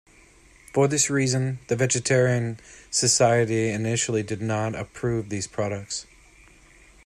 For this reason, the Vegetarian Society initially did not approve these products.